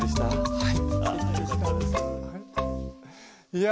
はい。